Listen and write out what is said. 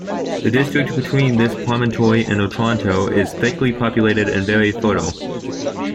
The district between this promontory and Otranto is thickly populated and very fertile.